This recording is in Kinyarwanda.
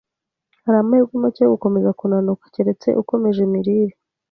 Hari amahirwe make yo gukomeza kunanuka, keretse ukomeje imirire